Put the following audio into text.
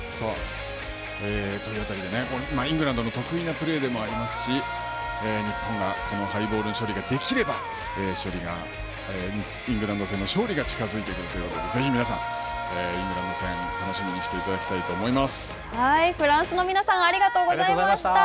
というあたりで、イングランドの得意なプレーでもありますし、日本がこのハイボールの処理ができれば勝利、イングランド戦の勝利が近づいてくるということで、ぜひ皆さん、イングランド戦、楽しみにしていただきたいと思いまフランスの皆さん、ありがとうございました。